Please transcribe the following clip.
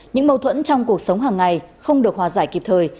những mâu thuẫn trong cuộc sống hàng ngày không được hòa giải kịp thời